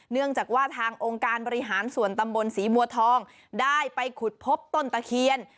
เนื่องจากว่าทางองค์การบริหารส่วนตำบลศรีบัวทองได้ไปขุดพบต้นตะเคียน